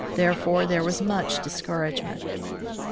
Therefore there was much discouragement.